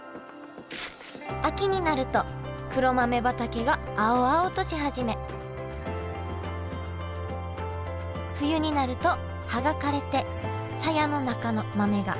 秋になると黒豆畑が青々とし始め冬になると葉が枯れてさやの中の豆が黒く熟します。